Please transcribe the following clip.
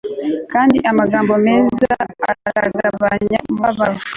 kandi amagambo meza aragabanya umubabaro